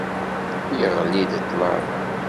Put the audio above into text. Yeɣli-d ṭṭlam.